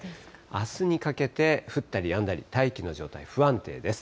あすにかけて、降ったりやんだり、大気の状態不安定です。